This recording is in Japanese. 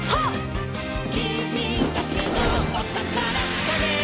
「きみだけのおたからつかめ！」